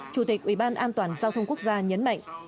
chủ tịch ủy ban an toàn giao thông quốc gia nhấn mạnh